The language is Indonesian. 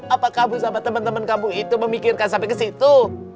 apa kamu sama teman teman kamu itu memikirkan sampai ke situ